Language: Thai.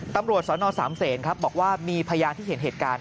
ตำรวจสนสามเศษครับบอกว่ามีพยานที่เห็นเหตุการณ์